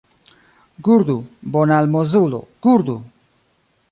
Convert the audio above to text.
Gurdu, bona almozulo, gurdu!